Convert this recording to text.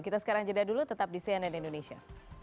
kita sekarang jeda dulu tetap di cnn indonesia